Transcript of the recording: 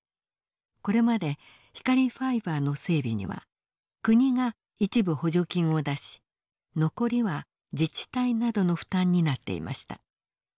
これまで光ファイバーの整備には国が一部補助金を出し残りは自治体などの負担になっていました。